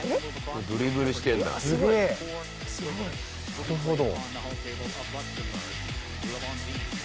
なるほど。